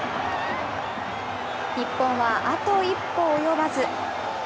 日本はあと一歩及ばず。